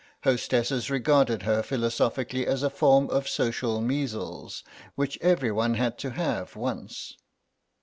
Hostesses regarded her philosophically as a form of social measles which everyone had to have once.